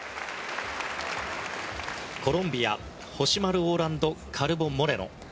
コロンビアホシマル・オーランド・カルボ・モレノ。